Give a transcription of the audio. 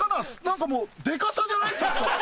何かもうデカさじゃない？